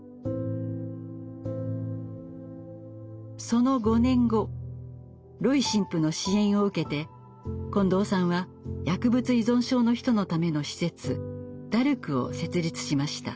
その５年後ロイ神父の支援を受けて近藤さんは薬物依存症の人のための施設ダルクを設立しました。